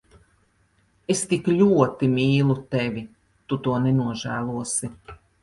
Es tik ļoti mīlu tevi. Tu to nenožēlosi.